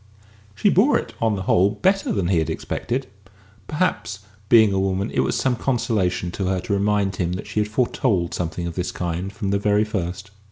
She bore it, on the whole, better than he had expected; perhaps, being a woman, it was some consolation to her to remind him that she had foretold something of this kind from the very first.